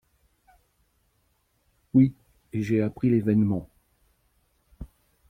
Oui… et j’ai appris l’événement.